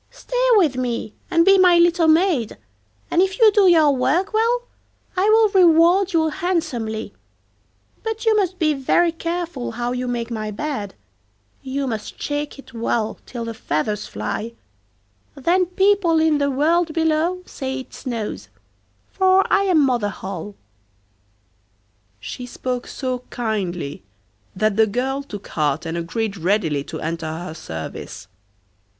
Stay with me and be my little maid, and if you do your work well I will reward you handsomely; but you must be very careful how you make my bed—you must shake it well till the feathers fly; then people in the world below say it snows, for I am Mother Holle.' She spoke so kindly that the girl took heart and agreed readily to enter her service.